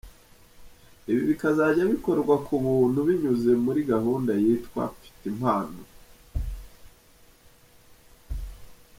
Ibi bikazajya bikorwa kubuntu binyuze muri gahunda yitwa ;Mfite Impano ;.